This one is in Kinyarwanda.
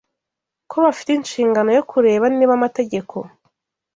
ko bafite inshingano yo kureba niba amategeko